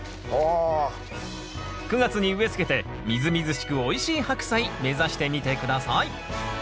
９月に植え付けてみずみずしくおいしいハクサイ目指してみて下さい！